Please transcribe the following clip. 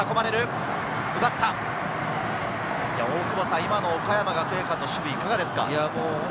今の岡山学芸館の守備いかがですか？